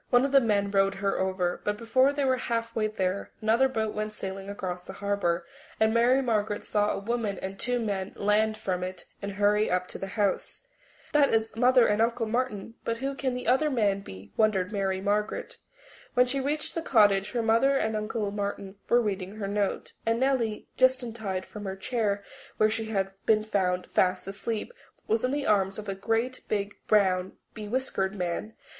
One of the men rowed her over, but before they were halfway there another boat went sailing across the harbour, and Mary Margaret saw a woman and two men land from it and hurry up to the house. That is Mother and Uncle Martin, but who can the other man be? wondered Mary Margaret. When she reached the cottage her mother and Uncle Martin were reading her note, and Nellie, just untied from the chair where she had been found fast asleep, was in the arms of a great, big, brown, bewhiskered man.